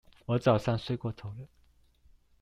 我早上睡過頭了